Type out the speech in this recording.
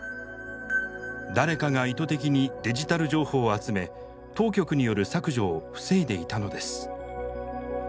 誰かが意図的にデジタル情報を集め当局による削除を防いでいたのです。